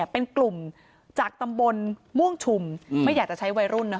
เป็นกลุ่มจากตำบลม่วงชุมไม่อยากจะใช้วัยรุ่น